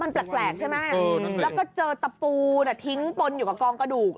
มันแปลกใช่ไหมแล้วก็เจอตะปูทิ้งปนอยู่กับกองกระดูก